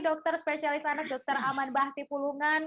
dokter spesialis anak dokter aman bahti pulungan